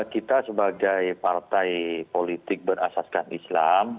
kita sebagai partai politik berasaskan islam